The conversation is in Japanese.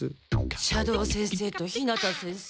斜堂先生と日向先生